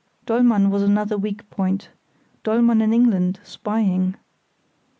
Dollmann was another weak point; Dollmann in England, spying.